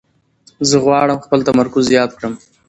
زه غواړم خپل تمرکز زیات کړم.